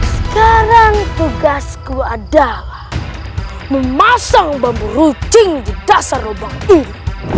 sekarang tugasku adalah memasang bambu rucing di dasar robong ini